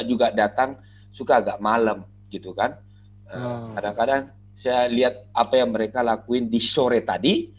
juga datang suka agak malem gitu kan kadang kadang saya lihat apa yang mereka lakuin di sore tadi